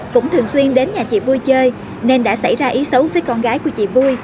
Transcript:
cũng thường xuyên đến nhà chị vui chơi nên đã xảy ra ý xấu với con gái của chị vui